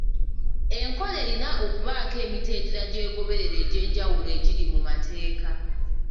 Enkola erina okubaako emitendera gyegoberera egy'enjawulo egiri mu mateeka.